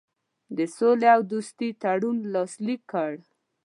د سولي او دوستي تړون لاسلیک کړ.